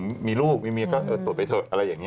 เพราะว่าผมมีลูกก็ตรวจไปเถอะอะไรอย่างนี้